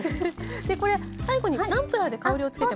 でこれ最後にナンプラーで香りをつけても？